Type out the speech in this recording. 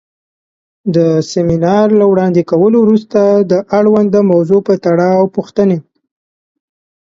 د سمینار له وړاندې کولو وروسته د اړونده موضوع پۀ تړاؤ پوښتنې